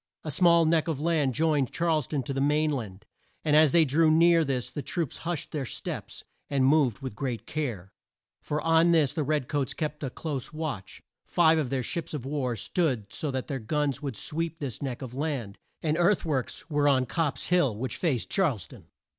A small neck of land joined Charles town to the main land, and as they drew near this the troops hushed their steps, and moved with great care. For on this the red coats kept a close watch. Five of their ships of war stood so that their guns would sweep this neck of land, and earth works were on Copp's Hill, which faced Charles town.